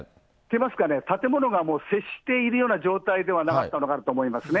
しますかね、建物が接しているような状態じゃなかったかなと思いますね。